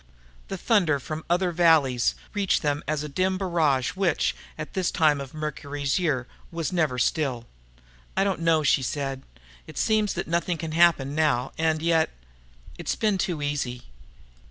The thunder from other valleys reached them as a dim barrage which, at this time of Mercury's year, was never still. "I don't know," she said. "It seems that nothing can happen now, and yet.... It's been too easy."